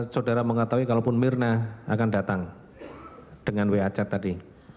saudara mengetahui kalaupun mirna akan datang dengan wacat tadi